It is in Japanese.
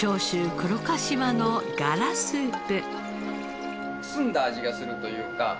黒かしわのガラスープ。